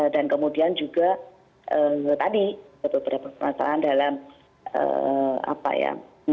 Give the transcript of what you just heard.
dan kemudian juga tadi ada beberapa permasalahan dalam apa ya